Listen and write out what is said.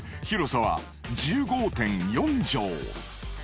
広さは１５．４帖。